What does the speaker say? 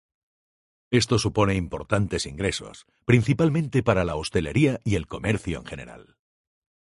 Esto supone importantes ingresos, principalmente para la hostelería y el comercio en general.